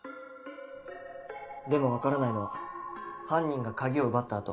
でも分からないのは犯人が鍵を奪った後。